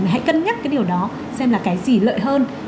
hãy cân nhắc cái điều đó xem là cái gì lợi hơn